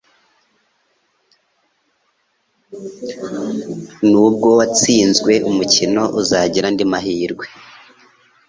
Nubwo watsinzwe umukino uzagira andi mahirwe